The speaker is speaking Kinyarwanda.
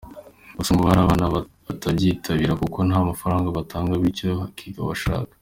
Gusa ngo hari abana batabyitabira kuko nta mafaranga batanga bityo hakiga abashaka.